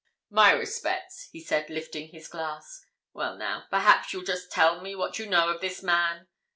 "My respects," he said, lifting his glass. "Well, now, perhaps you'll just tell me what you know of this man?